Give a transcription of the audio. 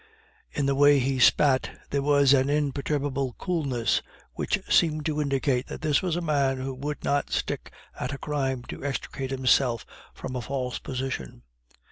In the way he spat there was an imperturbable coolness which seemed to indicate that this was a man who would not stick at a crime to extricate himself from a false position.